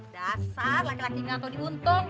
dasar laki laki ngantuk di untung